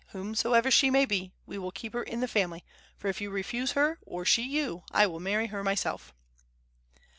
"Whomsoever she may be, we will keep her in the family; for if you refuse her, or she you, I will marry her myself!"